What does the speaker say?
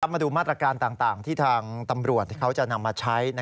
มาดูมาตรการต่างที่ทางตำรวจที่เขาจะนำมาใช้